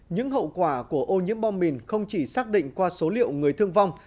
những hậu quả của ô nhiễm bom mìn không chỉ xác định qua số liệu người thương vong